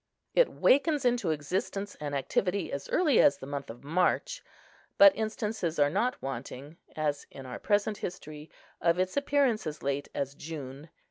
It wakens into existence and activity as early as the month of March; but instances are not wanting, as in our present history, of its appearance as late as June.